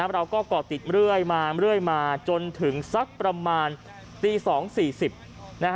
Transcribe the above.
เราก็ก่อติดเรื่อยมาจนถึงสักประมาณตี๒๔๐